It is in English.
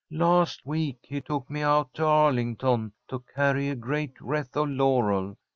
"Last week he took me out to Arlington to carry a great wreath of laurel.